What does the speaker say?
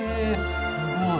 すごい。